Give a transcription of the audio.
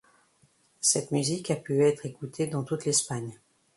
Cette musique a pu être écoutée dans toute l'Espagne.